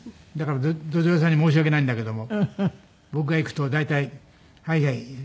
だからどじょう屋さんに申し訳ないんだけども僕が行くと大体「はいはい。